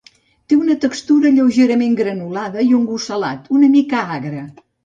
Té una textura lleugerament granulada i un gust salat, una mica agre.